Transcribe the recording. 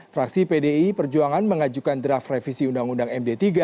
fraksi pdi perjuangan mengajukan draft revisi undang undang md tiga